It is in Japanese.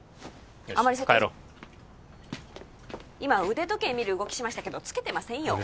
あまりよし帰ろう今腕時計見る動きしましたけどつけてませんよ